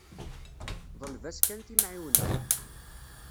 Ḍleb-as kan timεiwna.